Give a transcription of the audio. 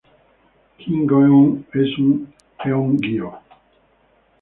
Kim Go-eun "es" Eun-gyo.